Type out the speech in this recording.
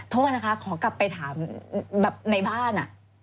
โทษนะคะขอกลับไปถามแบบในบ้าน